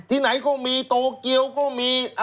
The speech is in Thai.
ที่ไหนก็มีโตเกียวก็มี